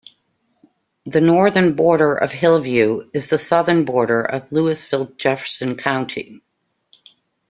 The northern border of Hillview is the southern border of Louisville-Jefferson County.